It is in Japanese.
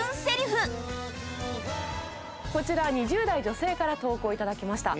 こちら２０代女性から投稿頂きました。